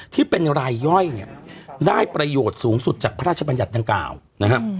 ที่เป็นรายย่อยเนี่ยได้ประโยชน์สูงสุดจากพระราชบัญญัติดังกล่าวนะครับ